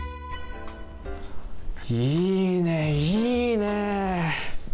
いいね、いいね。